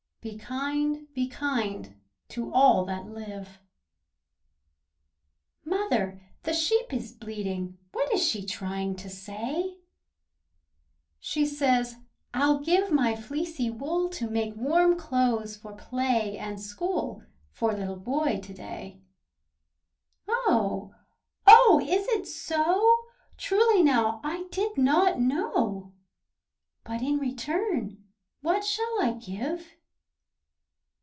"Be kind, be kind, to all that live." Mother, the sheep is bleating; What is she trying to say? She says "I'll give my fleecy wool To make warm clothes for play and school For Little Boy to day." Oh! oh! is it so? Truly now, I did not know! But in return what shall I give?